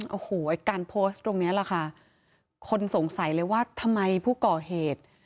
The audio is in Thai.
โอ้โหการโพสต์ตรงนี้แหละค่ะคนสงสัยเลยว่าทำไมผู้ก่อเหตุ